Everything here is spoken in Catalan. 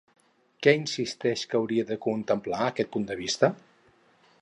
Què insisteix que hauria de contemplar aquest punt de vista?